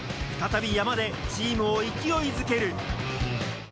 再び山でチームを勢いづける。